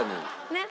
ねっ？